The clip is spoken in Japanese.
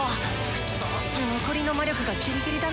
くっそ残りの魔力がギリギリだな。